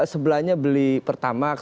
sebelahnya beli pertamak